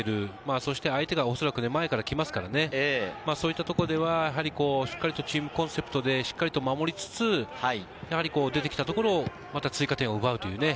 そして相手がおそらく前から行きますからね、そういったところでは、チームコンセプトでしっかり守りつつ、出てきたところで追加点を奪う。